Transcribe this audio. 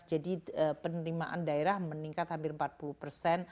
jadi penerimaan daerah meningkat hampir empat puluh